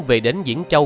về đến diễn châu